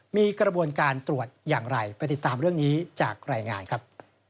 มีกระบวนการตรวจอย่างไรไปติดตามเรื่องนี้จากรายงานครับ